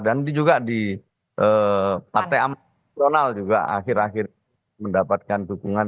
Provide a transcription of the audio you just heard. dan juga di partai amasional juga akhir akhir mendapatkan dukungan